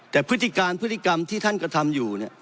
แต่พฤติการพฤติกรรมที่ท่านกระทำอยู่เนี่ย